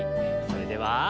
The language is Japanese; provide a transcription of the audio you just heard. それでは。